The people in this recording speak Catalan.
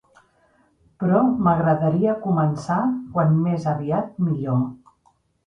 Però m'agradaria començar quant més aviat, millor.